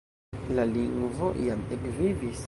La lingvo jam ekvivis.